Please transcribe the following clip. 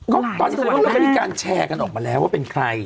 ก็ตอนนี้เราก็มีการแชร์กันออกมาแล้วว่าเป็นใคร